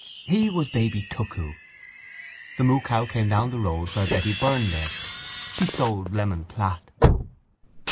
He was baby tuckoo. The moocow came down the road where Betty Byrne lived: she sold lemon platt.